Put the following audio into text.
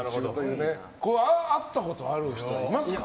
会ったことがある人いますか？